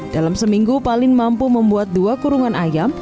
dalam seminggu paling mampu membuat dua kurungan ayam